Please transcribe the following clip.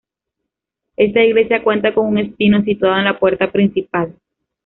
Esta iglesia cuenta con un espino situado en la puerta principal.